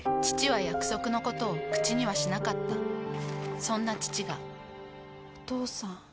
父は約束のことを口にはしなかったそんな父がお父さん。